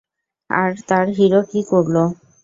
আর তার হিরো কি করল?